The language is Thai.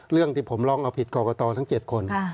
เรื่องที่ผมร้องเอาผิดกรกตทั้ง๗คน